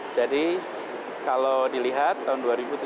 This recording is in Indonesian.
kalau dilihat tahun dua ribu tujuh belas